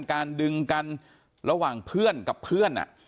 การดึงกันระหว่างเพื่อนกับเพื่อน